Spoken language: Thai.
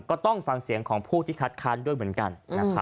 ก็ต้องฟังเสียงของผู้ที่คัดค้านด้วยเหมือนกันนะครับ